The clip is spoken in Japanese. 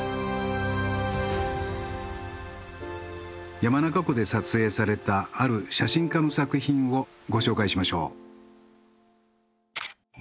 山中湖で撮影されたある写真家の作品をご紹介しましょう。